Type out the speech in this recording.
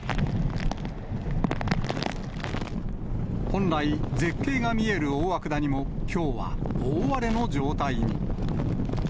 本来、絶景が見える大涌谷も、きょうは大荒れの状態に。